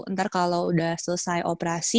ntar kalau udah selesai operasi